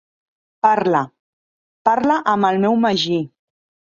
Parle... parle amb el meu magí.